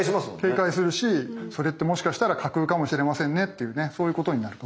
警戒するしそれってもしかしたら架空かもしれませんねっていうねそういうことになると。